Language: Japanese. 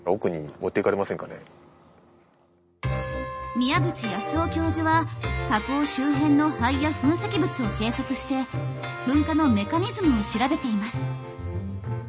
宮縁育夫教授は火口周辺の灰や噴石物を計測して噴火のメカニズムを調べています。